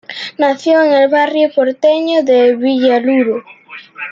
Nació en el barrio porteño de Villa Luro.